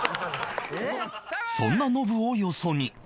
そんなノブをよそに